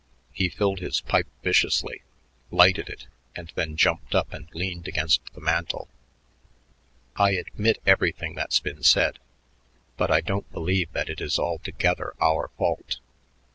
He filled his pipe viciously, lighted it, and then jumped up and leaned against the mantel. "I admit everything that's been said, but I don't believe that it is altogether our fault."